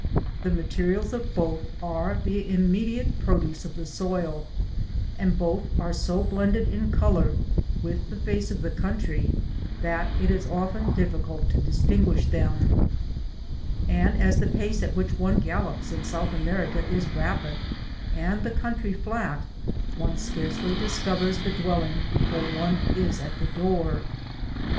The materials of both are the immediate produce of the soil, and both are so blended in colour with the face of the country, that it is often difficult to distinguish them ; and as the pace at which one gallops in South America is rapid, and the country flat, one scarcely discovers the dweUing before one is at the door.